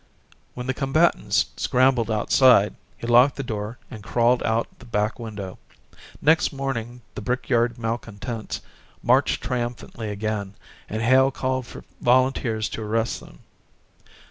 When the combatants scrambled outside, he locked the door and crawled out the back window. Next morning the brick yard malcontents marched triumphantly again and Hale called for volunteers to arrest them.